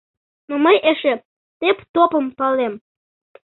Но мый эше «Тып-топым» палем.